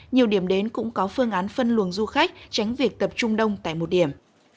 nhiều điểm đến cũng có phương án phân luồng du khách tránh việc tập trung đông tại một điểm